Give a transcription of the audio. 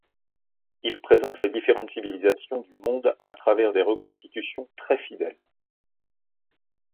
Il présente les différentes civilisations du monde à travers des reconstitutions très fidèles.